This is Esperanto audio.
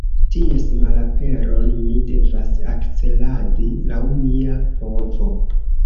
Ties malaperon mi devas akceladi laŭ mia povo.